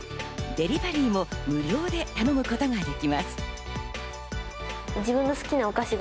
デリバリーも無料で頼むことができます。